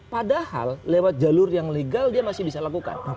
padahal lewat jalur yang legal dia masih bisa lakukan